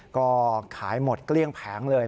ก็ขายหมดเกลี้ยงแผงเลย